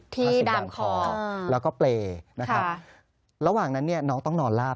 ที่ด่ำคอแล้วก็เปรย์ระหว่างนั้นน้องต้องนอนลาบ